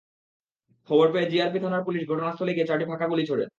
খবর পেয়ে জিআরপি থানার পুলিশ ঘটনাস্থলে গিয়ে চারটি ফাঁকা গুলি ছোড়ে।